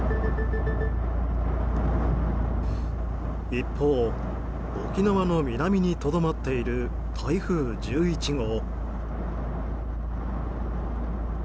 一方、沖縄の南にとどまっている台風１１号。